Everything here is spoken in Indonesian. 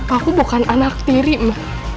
aku bukan anak tiri mbak